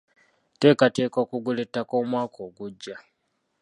Nteekateeka okugula ettaka omwaka ogujja.